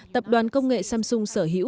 tập đoàn công nghệ samsung sở hữu